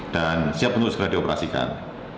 dan siap untuk segera dioperasikan